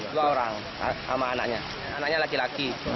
dua orang sama anaknya anaknya laki laki